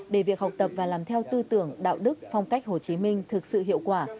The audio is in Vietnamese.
để việc học tập và làm theo tư tưởng đạo đức phong cách hồ chí minh thực sự hiệu quả